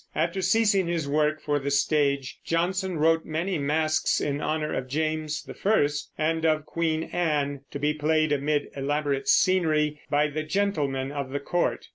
After ceasing his work for the stage, Jonson wrote many masques in honor of James I and of Queen Anne, to be played amid elaborate scenery by the gentlemen of the court.